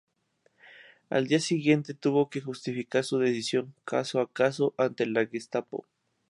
Al día siguiente tuvo que justificar su decisión, caso a caso, ante la Gestapo.